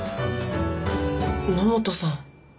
野本さん